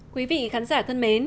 quý vị khán giả thân mến